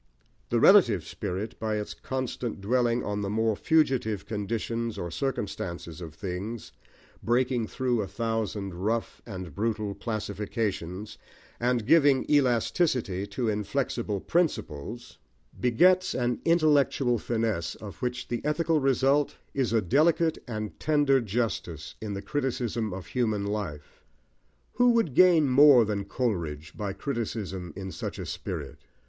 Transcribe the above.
The relative spirit, by its constant dwelling on the more fugitive conditions or circumstances of things, breaking through a thousand rough and brutal classifications, and giving elasticity to inflexible principles, begets an intellectual finesse of which the ethical result is a delicate and tender justice in the criticism of human life. Who would gain more than Coleridge by criticism in such a spirit?